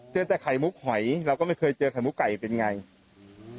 เชื่อใจไข่มุกหอยเราก็ไม่เคยเจอไข่มุกไก่เป็นอย่างไร